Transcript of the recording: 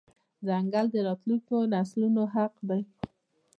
ځنګل د راتلونکو نسلونو حق دی.